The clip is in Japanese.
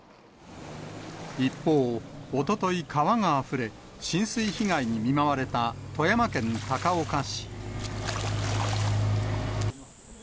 一方、おととい川があふれ、浸水被害に見舞われた富山県高岡市。